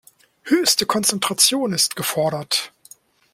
Höchste Konzentration ist gefordert.